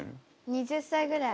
２０歳ぐらい。